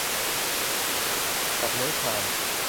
สัตว์เลื้อยคลาน